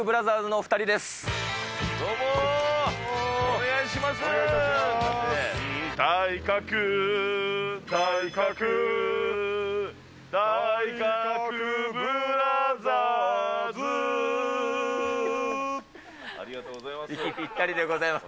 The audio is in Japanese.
お願いいたします。